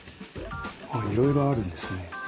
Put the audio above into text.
あっいろいろあるんですね。